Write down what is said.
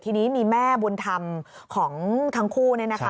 ทีนี้มีแม่บุญธรรมของทั้งคู่เนี่ยนะคะ